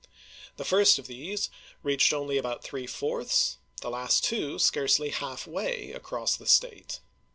The first of these reached only about three fourths, the last two scarcely half way, across the State.